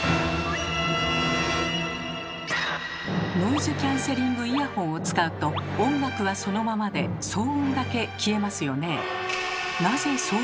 ノイズキャンセリングイヤホンを使うと音楽はそのままで騒音だけ消えますよね。